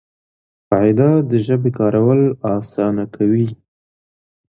قاعده د ژبي کارول آسانه کوي.